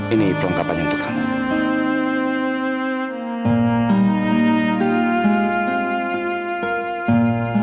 ini perangkapannya untuk kamu